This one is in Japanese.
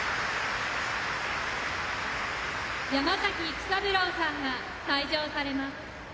山崎育三郎さんが退場されます。